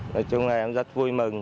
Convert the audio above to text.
nói chung là em rất vui mừng